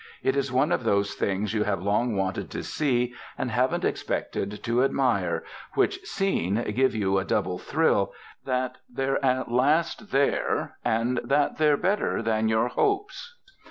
It is one of those things you have long wanted to see and haven't expected to admire, which, seen, give you a double thrill, that they're at last there, and that they're better than your hopes.